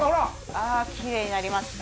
ああきれいになりました。